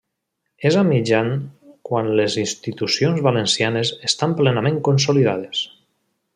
És a mitjan quan les institucions valencianes estan plenament consolidades.